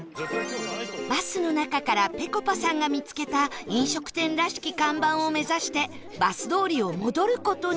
バスの中からぺこぱさんが見つけた飲食店らしき看板を目指してバス通りを戻る事に